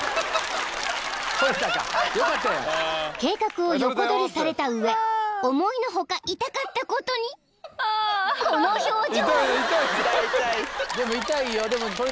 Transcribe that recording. ［計画を横取りされた上思いの外痛かったことにこの表情］